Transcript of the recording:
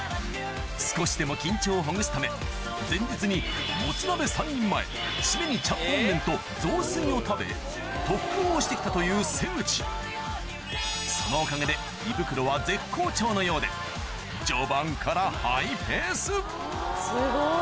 少しでも緊張をほぐすため前日にもつ鍋３人前締めにちゃんぽん麺と雑炊を食べ特訓をして来たという瀬口そのおかげで序盤からハイペースすごい。